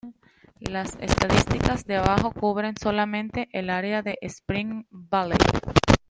Las estadísticas de abajo cubren solamente el área de Spring Valley.